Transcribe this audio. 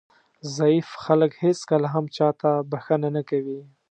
ضعیف خلک هېڅکله هم چاته بښنه نه کوي.